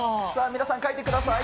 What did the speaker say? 皆さん、書いてください。